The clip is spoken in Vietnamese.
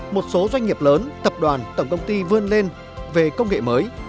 một số doanh nghiệp lớn tập đoàn tổng công ty vươn lên về công nghệ mới